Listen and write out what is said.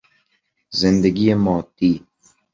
زندگی مادی